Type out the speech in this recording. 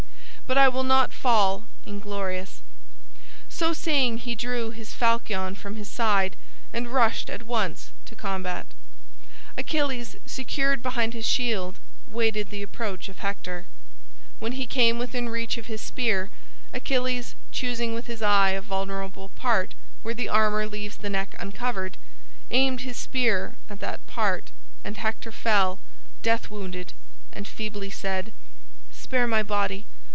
But I will not fall inglorious," So saying he drew his falchion from his side and rushed at once to combat. Achilles, secured behind his shield, waited the approach of Hector. When he came within reach of his spear, Achilles choosing with his eye a vulnerable part where the armor leaves the neck uncovered, aimed his spear at that part and Hector fell, death wounded, and feebly said, "Spare my body!